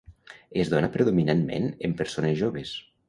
Es dóna predominantment en persones joves.